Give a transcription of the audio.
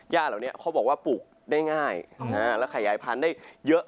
เหล่านี้เขาบอกว่าปลูกได้ง่ายและขยายพันธุ์ได้เยอะ